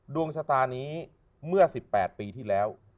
ดวงชะตานี้เมื่อ๑๘ปีที่แล้ว